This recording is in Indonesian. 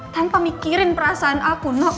tanpa mikirin perasaan aku